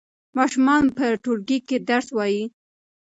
ماشومان په ټولګي کې درس وايي.